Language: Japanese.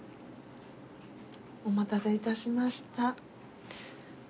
お待たせいたしました。